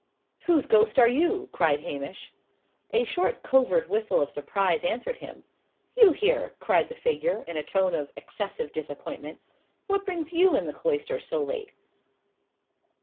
"Whose ghost are you?" cried Hamish. A short covert whistle of surprise answered him. "You here!" cried the figure, in a tone of excessive disappointment. "What brings you in the cloisters so late?"